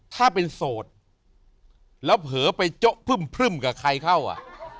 ถ้าเป็นโสดแล้วเผลอไปโจ๊ะพรึ่มกับใครเข้าอ่ะ